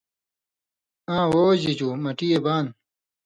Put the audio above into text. ”آں وو جیجو“مٹی اْے بان۔